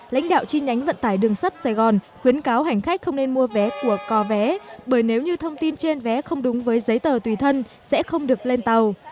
lãnh đạo chi nhánh vận tải đường sắt sài gòn khuyến cáo hành khách không nên mua vé của cò vé bởi nếu như thông tin trên vé không đúng với giấy tờ tùy thân sẽ không được lên tàu